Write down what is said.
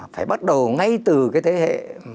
phải bắt đầu ngay từ cái thế hệ